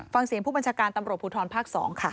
ฟังเสียงผู้บัญชาการตำรวจภูทรภาค๒ค่ะ